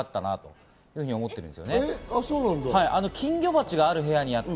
金魚鉢がある部屋にあった。